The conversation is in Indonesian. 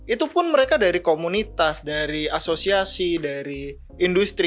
itu pun mereka dari komunitas dari asosiasi dari industri